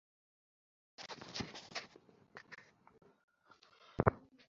যাহারা কোন অবস্থার উপর নির্ভরশীল নয়, তাহাদের সম্বন্ধেই অমৃতত্ব প্রযোজ্য।